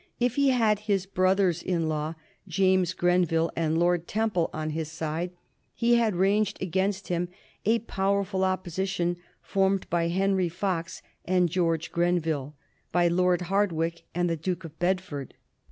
If he had his brothers in law James Grenville and Lord Temple on his side, he had ranged against him a powerful opposition formed by Henry Fox and George Grenville, by Lord Hardwicke and the Duke of Bedford.